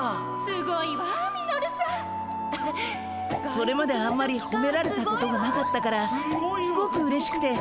それまであんまりほめられたことがなかったからすごくうれしくて。